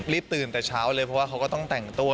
ตื่นแต่เช้าเลยเพราะว่าเขาก็ต้องแต่งตัว